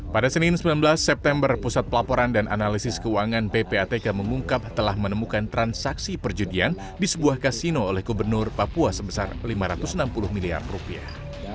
pada senin sembilan belas september pusat pelaporan dan analisis keuangan ppatk mengungkap telah menemukan transaksi perjudian di sebuah kasino oleh gubernur papua sebesar lima ratus enam puluh miliar rupiah